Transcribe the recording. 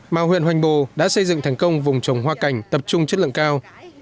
mà huyện hoành bồ đã xây dựng thành công vùng trồng hoa cảnh tập trung chất lượng cao